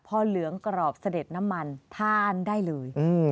พอเหลืองกรอบเสด็จน้ำมันทานได้เลย